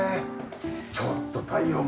ちょっと太陽が。